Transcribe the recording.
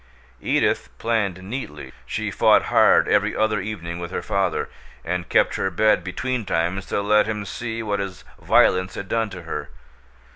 Edith planned neatly. She fought hard, every other evening, with her father, and kept her bed betweentimes to let him see what his violence had done to her.